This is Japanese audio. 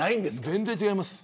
全然違います。